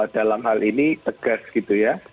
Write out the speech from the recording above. dalam hal ini tegas gitu ya